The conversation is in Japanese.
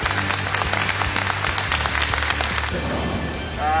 あ！あ。